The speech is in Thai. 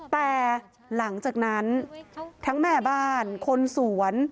แต่หลังจากนั้นทั้งแม่บ้านคนสวน